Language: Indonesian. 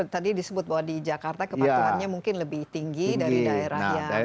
tadi disebut bahwa di jakarta kepatuhannya mungkin lebih tinggi dari daerah yang